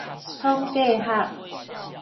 統計學